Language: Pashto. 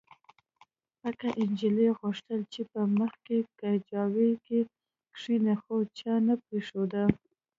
پکه نجلۍ غوښتل چې په مخکې کجاوو کې کښېني خو چا نه پرېښوده